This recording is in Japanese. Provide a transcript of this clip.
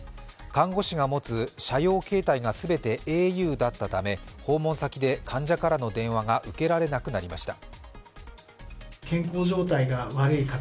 看護師が持つ社用携帯が全てａｕだったため、訪問先で患者からの電話が受けられなくなりました。